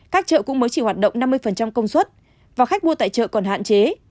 các chợ cũng mới chỉ hoạt động năm mươi công suất và khách mua tại chợ còn hạn chế